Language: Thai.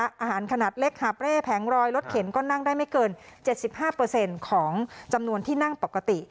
อาหารขนาดเล็กหับเล่แผงรอยรถเข็นก็นั่งได้ไม่เกินเจ็ดสิบห้าเปอร์เซ็นต์ของจำนวนที่นั่งปกติ